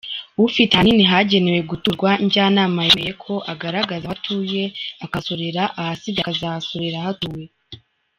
Ufite hanini hagenewe guturwa, njyanama yemeye ko agaragaza aho atuye akahasorera, ahasigaye akazahasorera hatuwe.